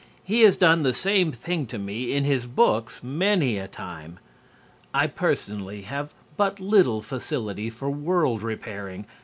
He has done the same thing to me in his books many a time. I personally have but little facility for world repairing.